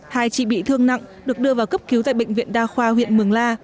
hai chị bị thương nặng được đưa vào cấp cứu tại bệnh viện đa khoa huyện mường la